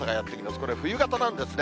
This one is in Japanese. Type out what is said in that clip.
これ、冬型なんですね。